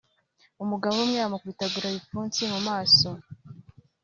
umugabo umwe amukubitagura ibipfunsi mu maso